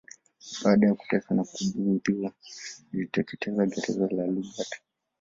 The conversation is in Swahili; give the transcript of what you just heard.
Baada ya kuteswa na kubughudhiwa aliliteketeza gereza la Lugard